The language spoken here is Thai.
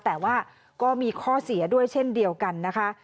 แต่ว่าก็มีข้อเสียด้วยเช่นเดียวกันนะคะ